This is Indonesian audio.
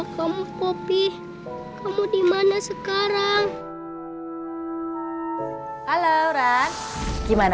kita jalan sekarang ya murthy